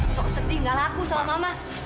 soal setinggal aku sama mama